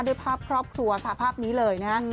ด้วยภาพครอบครัวค่ะภาพนี้เลยนะฮะ